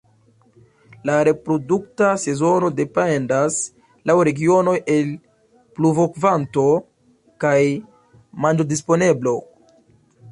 La reprodukta sezono dependas laŭ regionoj el pluvokvanto kaj manĝodisponeblo.